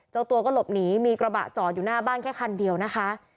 เจ้าตัวก็หลบหนีมีกระบะจอดอยู่หน้าบ้านแค่คันเดียวนะคะ